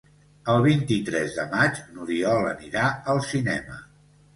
El vint-i-tres de maig n'Oriol anirà al cinema.